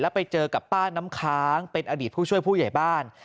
ไปเจอกับป้าน้ำค้างเป็นอดีตผู้ช่วยผู้ใหญ่บ้าน